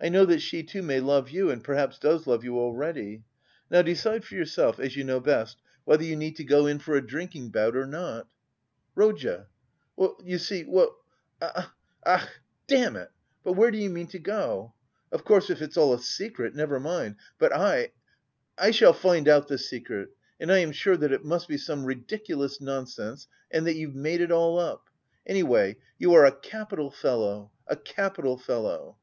I know that she too may love you and perhaps does love you already. Now decide for yourself, as you know best, whether you need go in for a drinking bout or not." "Rodya! You see... well.... Ach, damn it! But where do you mean to go? Of course, if it's all a secret, never mind.... But I... I shall find out the secret... and I am sure that it must be some ridiculous nonsense and that you've made it all up. Anyway you are a capital fellow, a capital fellow!..."